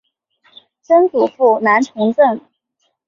曾祖父兰从政。